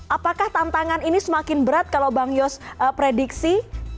apakah tantangan ini semakin berat kalau bang yos prediksi